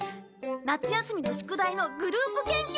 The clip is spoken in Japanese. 夏休みの宿題のグループ研究にしようよ。